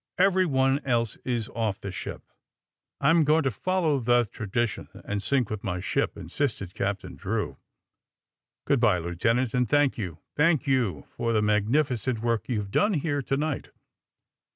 Everyone else is off the ship." ^*I am going to follow the tradition, and sink with my ship, '' insisted Captain Drew. ^' Good bye, Lieutenant, and thank you — thank yon! — for the magnificent work yon have done here to night!"